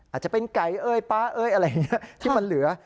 อาจจะเป็นไก่เอ้ยป๊าเอ้ยอะไรอย่างนี้ที่มันเหลือ